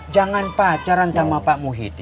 jangan pacaran sama pak muhid